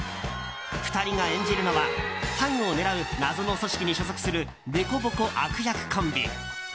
２人が演じるのはタングを狙う謎の組織に所属する凸凹悪役コンビ。